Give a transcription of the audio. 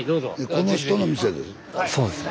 この人の店です？